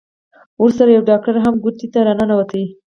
ورسره يو ډاکتر هم کوټې ته راننوت.